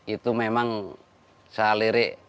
itu memang saya lirik